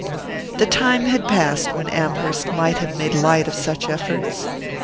The time had passed when Amherst might have made light of such efforts.